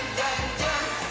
ジャンプ！！